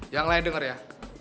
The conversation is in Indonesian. yang lain denger ya